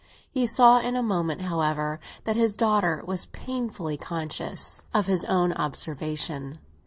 He saw in a moment, however, that his daughter was painfully conscious of his own observation.